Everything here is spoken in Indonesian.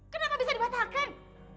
kenapa bisa dibatalkan